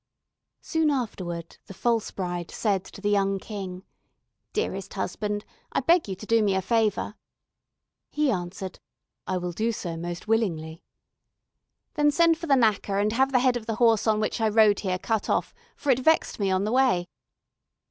Soon afterward the false bride said to the young King: "Dearest husband, I beg you to do me a favor." He answered: "I will do so most willingly." "Then send for the knacker, and have the head of the horse on which I rode here cut off, for it vexed me on the way."